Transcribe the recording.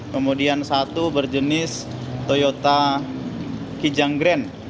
kemudian satu berjenis toyota kijang grand